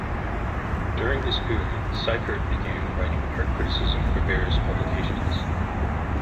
During this period Sickert began writing art criticism for various publications.